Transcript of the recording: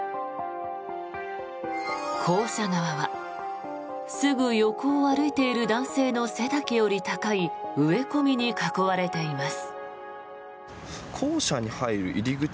校舎側はすぐ横を歩いている男性の背丈より高い植え込みに囲われています。